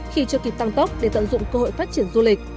khi chưa kịp tăng tốc để tận dụng cơ hội phát triển du lịch